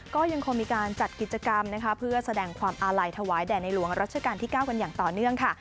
ก็ยังคงมีการจัดกิจกรรมนะคะเพื่อแสดงความอาลัยถวายแด่ในหลวงรัชกาลที่๙กันอย่างต่อเนื่องค่ะ